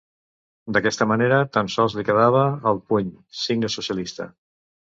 D'aquesta manera tan sols li quedava el puny, signe socialista.